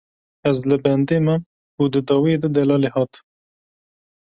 Ez li bendê mam û di dawiyê de Delalê hat.